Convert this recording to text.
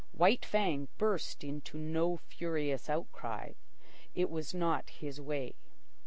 White Fang burst into no furious outcry. It was not his way.